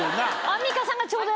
アンミカさんが。